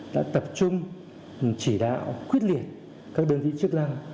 đã tập trung chỉ đạo quyết liệt các đơn vị chức năng